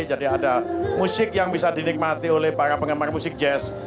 jadi ada musik yang bisa dinikmati oleh para penggemar musik jazz